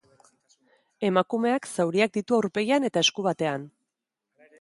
Emakumeak zauriak ditu aurpegian eta esku batean.